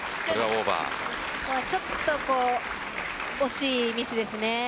ちょっと惜しいミスですね。